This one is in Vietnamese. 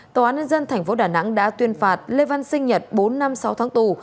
tòa án nhân dân tp đà nẵng đã tuyên phạt lê văn sinh nhật bốn năm sáu tháng tù